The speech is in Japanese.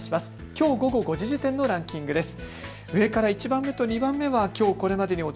きょう午後５時時点のランキングです。